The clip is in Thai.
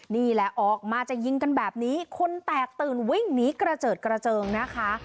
นี่แหละออกมาจะยิงกันแบบนี้คนแตกตื่นวิ่งหนีกระเจิดกระเจิงนะคะ